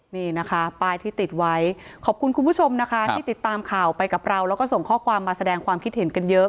นี่นะคะป้ายที่ติดไว้ขอบคุณคุณผู้ชมนะคะที่ติดตามข่าวไปกับเราแล้วก็ส่งข้อความมาแสดงความคิดเห็นกันเยอะ